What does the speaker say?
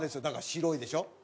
だから白いでしょ。